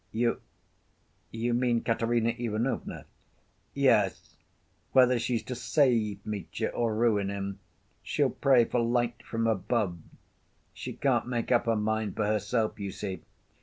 "You ... you mean Katerina Ivanovna?" "Yes. Whether she's to save Mitya or ruin him. She'll pray for light from above. She can't make up her mind for herself, you see.